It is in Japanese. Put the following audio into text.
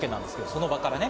その場から。